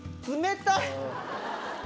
冷たい！